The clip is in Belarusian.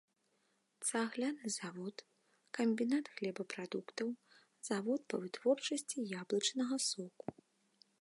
Цагляны завод, камбінат хлебапрадуктаў, завод па вытворчасці яблычнага соку.